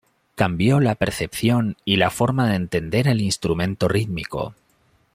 Cambió la percepción y la forma de entender al instrumento rítmico.